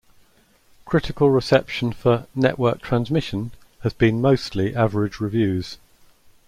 Critical reception for "Network Transmission" has been mostly average reviews.